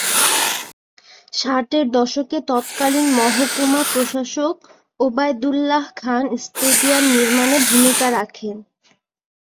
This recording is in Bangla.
ষাটের দশকে তৎকালীন মহকুমা প্রশাসক ওবায়দুল্লাহ খান স্টেডিয়াম নির্মাণে ভূমিকা রাখেন।